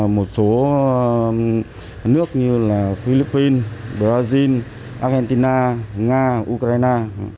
một số nước như là philippines brazil argentina nga ukraine